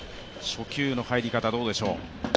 初球の入り方はどうでしょう。